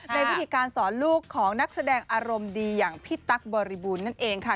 ในวิธีการสอนลูกของนักแสดงอารมณ์ดีอย่างพี่ตั๊กบริบูรณ์นั่นเองค่ะ